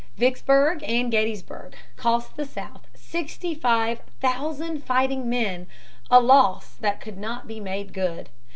Vicksburg and Gettysburg cost the South sixty five thousand fighting men a loss that could not be made good.